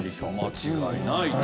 間違いないと。